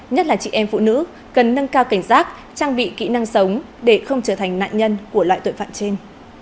nhất là chị em phụ nữ cần nâng cao cảnh giác trang bị kỹ năng sống để không trở thành nạn nhân của loại tội phạm trên